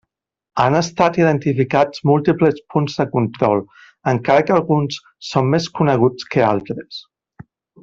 Han estat identificats múltiples punts de control, encara que alguns són més coneguts que altres.